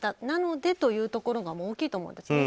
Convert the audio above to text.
なのでというところが大きいと思うんです。